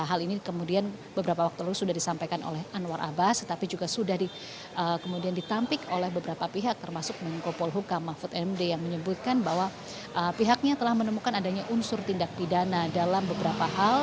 hal ini kemudian beberapa waktu lalu sudah disampaikan oleh anwar abbas tetapi juga sudah kemudian ditampik oleh beberapa pihak termasuk menko polhuka mahfud md yang menyebutkan bahwa pihaknya telah menemukan adanya unsur tindak pidana dalam beberapa hal